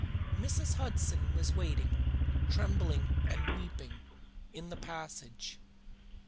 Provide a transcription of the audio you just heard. Mrs. Hudson was waiting, trembling and weeping, in the passage.